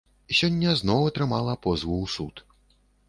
Сёння зноў атрымала позву ў суд.